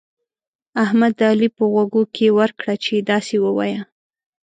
احمد د علي په غوږو کې ورکړه چې داسې ووايه.